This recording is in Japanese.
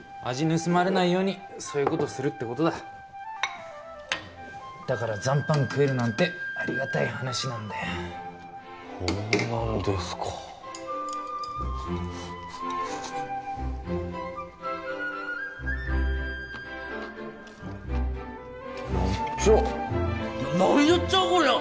盗まれないようにそういうことするってことだだから残飯食えるなんてありがたい話なんだよほうなんですかあ何ちゃあ何やっちゃあこりゃあ！